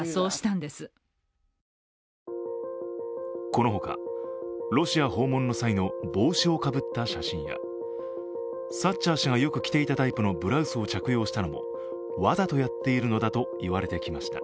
この他、ロシア訪問の際の帽子をかぶった写真やサッチャー氏がよく着ていたタイプのブラウスを着用したのもわざとやっているのだと言われてきました。